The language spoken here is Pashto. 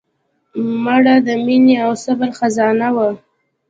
مړه د مینې او صبر خزانه وه